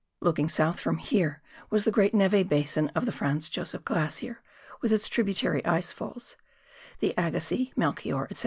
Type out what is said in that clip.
Looking south from here was the great neve basin of the Franz Josef Glacier with its tributary ice falls, the Agassiz, Melchior, &c.